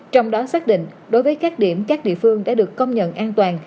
trong đó xác định đối với các điểm các địa phương đã được công nhận an toàn